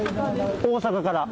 大阪から。